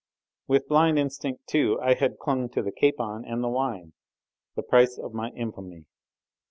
With blind instinct, too, I had clung to the capon and the wine, the price of my infamy.